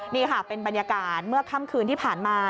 นี่ค่ะเป็นบรรยากาศเมื่อค่ำคืนที่ผ่านมา